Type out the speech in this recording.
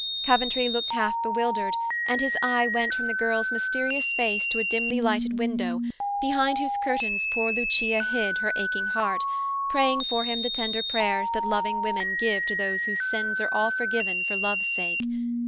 Coventry looked half bewildered, and his eye went from the girl's mysterious face to a dimly lighted window, behind whose curtains poor Lucia hid her aching heart, praying for him the tender prayers that loving women give to those whose sins are all forgiven for love's sake.